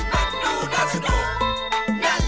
ถ้ามันไม่ใช่รถตุ๊กตุ๊กมันไม่ใช่รถมหาสนุก